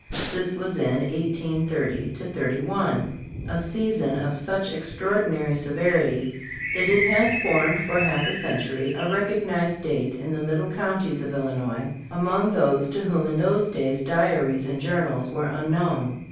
This was in 1830 31, a season of such extraordinary severity that it has formed for half a century a recognized date in the middle counties of Illinois, among those to whom in those days diaries and journals were unknown.